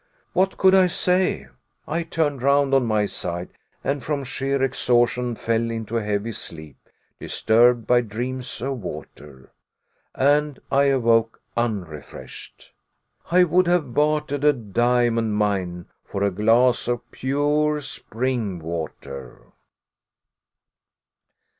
What could I say? I turned round on my side, and from sheer exhaustion fell into a heavy sleep disturbed by dreams of water! And I awoke unrefreshed. I would have bartered a diamond mine for a glass of pure spring water!